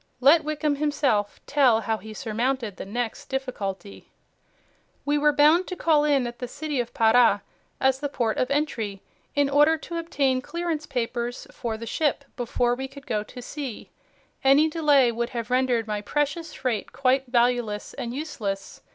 Let Wickham, himself, tell how he surmounted the next difficulty: "We were bound to call in at the city of Para as the port of entry, in order to obtain clearance papers for the ship before we could go to sea. Any delay would have rendered my precious freight quite valueless and useless.